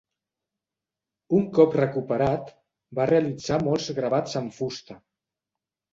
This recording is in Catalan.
Un cop recuperat, va realitzar molts gravats en fusta.